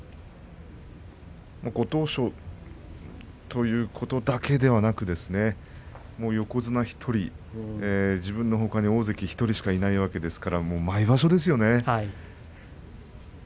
ご当所ということだけではなくですね横綱１人、自分のほかに大関１人しかいないわけですから毎場所ですよね。